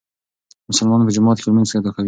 مسلمانان په جومات کې لمونځ ادا کوي.